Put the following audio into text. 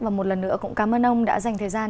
và một lần nữa cũng cảm ơn ông đã dành thời gian